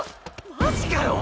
マジかよ！